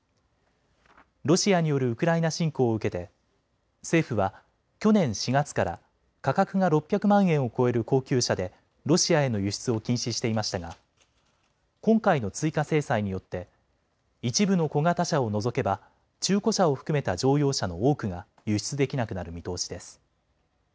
ロシアによるウクライナ侵攻を受けて政府は去年４月から価格が６００万円を超える高級車でロシアへの輸出を禁止していましたが今回の追加制裁によって一部の小型車を除けば中古車を含めた乗用車の多くが輸出できなくなる見通しです。